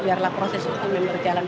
biarlah proses hukum yang berjalan